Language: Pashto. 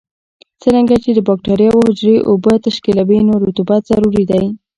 څرنګه چې د بکټریاوو حجرې اوبه تشکیلوي نو رطوبت ضروري دی.